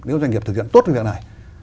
nếu doanh nghiệp thực hiện tốt như thế này